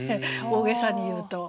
大げさに言うと。